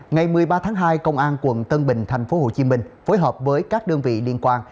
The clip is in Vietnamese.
ngày một mươi ba tháng hai công an quận tân bình tp hcm phối hợp với các đơn vị liên quan